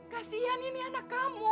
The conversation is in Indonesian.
kasian ini anak kamu